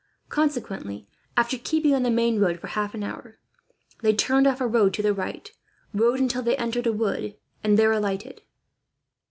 Consequently, after keeping on the main road for half an hour, they turned off a road to the right, rode until they came to a wood, and there alighted.